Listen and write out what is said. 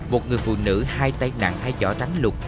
một người phụ nữ hai tay nặng hai vỏ rắn lụt